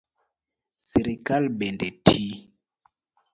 Sirkal bende ti